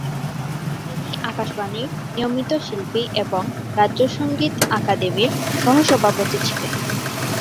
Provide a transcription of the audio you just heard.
তিনি আকাশবাণীর নিয়মিত শিল্পী এবং রাজ্য সঙ্গীত আকাদেমির সহ সভাপতি ছিলেন।